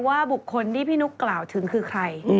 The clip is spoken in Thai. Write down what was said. ว่าบุคคลที่พี่นุ๊กกล่าวถึงคือใคร